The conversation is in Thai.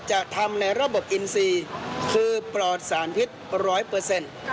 จะทำในระบบอินซีคือปลอดสารพิษร้อยเปอร์เซ็นต์